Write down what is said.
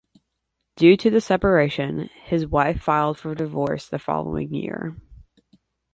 Due to the separation, his wife filed for divorce the following year.